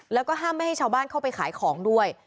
แล้วก็ห้ามไม่ให้ชาวบ้านเข้าไปขายของด้วย